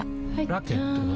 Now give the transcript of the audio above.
ラケットは？